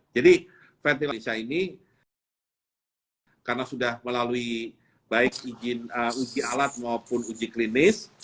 jadi ventilator ini karena sudah melalui baik uji alat maupun uji klinis